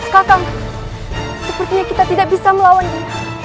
kakak sepertinya kita tidak bisa melawan dia